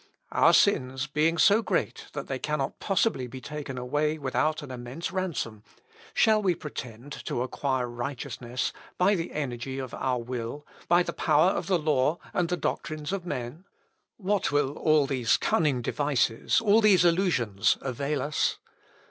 Our sins being so great that they cannot possibly be taken away without an immense ransom, shall we pretend to acquire righteousness by the energy of our will, by the power of the law, and the doctrines of men? What will all these cunning devices, all these illusions, avail us?